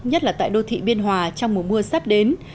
nhất là tại đô thị biên hòa trong mùa mưa sắp đến